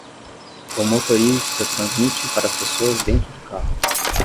O motorista transmite para as pessoas dentro do carro